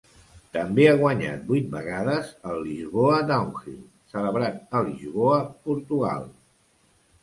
També ha guanyat vuit vegades el Lisboa Downhill, celebrat a Lisboa, Portugal.